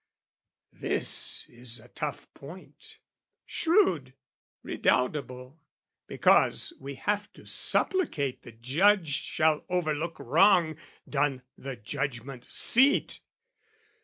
This a tough point, shrewd, redoubtable: Because we have to supplicate the judge Shall overlook wrong done the judgment seat.